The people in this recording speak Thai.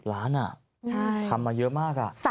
ล้านทำมาเยอะมาก